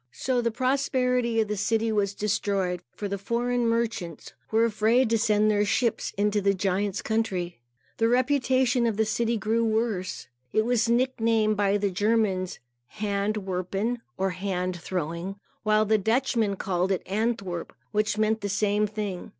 So the prosperity of the city was destroyed, for the foreign merchants were afraid to send their ships into the giant's country. The reputation of the city grew worse. It was nicknamed by the Germans Hand Werpen, or Hand Throwing; while the Dutchmen called it Antwerp, which meant the same thing.